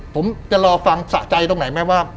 ผมจะรอฟังสะใจตรงไหนไหมว่า